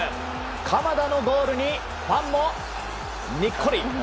鎌田のゴールにファンもにっこり。